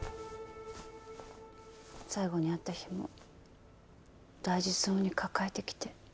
最後に会った日も大事そうに抱えてきて。